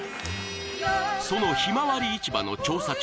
そのひまわり市場の調査中